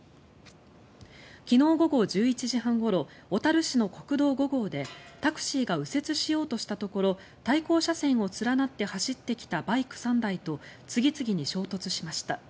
昨日午後１１時半ごろ小樽市の国道５号でタクシーが右折しようとしたところ対向車線を連なって走ってきたバイク３台と次々に衝突しました。